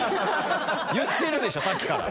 言ってるでしょさっきから。